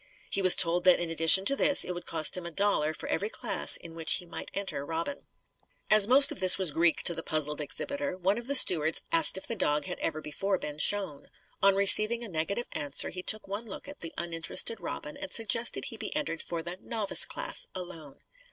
He was told that in addition to this it would cost him a dollar for every class in which he might enter Robin. As most of this was Greek to the puzzled exhibitor, one of the stewards asked if the dog had ever before been shown. On receiving a negative answer he took one look at the uninterested Robin and suggested he be entered for the "novice class," alone.